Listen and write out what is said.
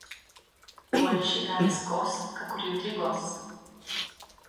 Boljši danes kos kakor jutri gos.